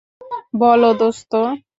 বল, দোস্ত।